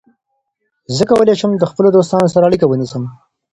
زه کولای شم د خپلو دوستانو سره اړیکه ونیسم.